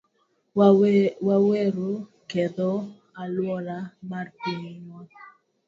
Weuru ketho alwora mar pinywa.